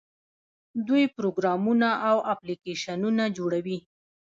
دوی پروګرامونه او اپلیکیشنونه جوړوي.